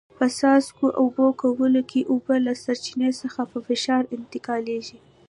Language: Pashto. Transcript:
په څاڅکو اوبه کولو کې اوبه له سرچینې څخه په فشار انتقالېږي.